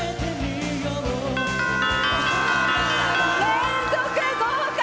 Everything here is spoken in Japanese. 連続合格！